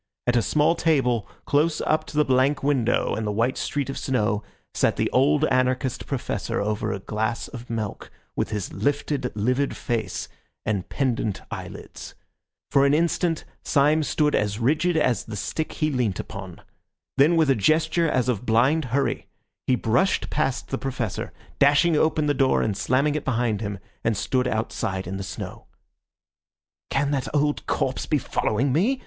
At a small table, close up to the blank window and the white street of snow, sat the old anarchist Professor over a glass of milk, with his lifted livid face and pendent eyelids. For an instant Syme stood as rigid as the stick he leant upon. Then with a gesture as of blind hurry, he brushed past the Professor, dashing open the door and slamming it behind him, and stood outside in the snow. "Can that old corpse be following me?"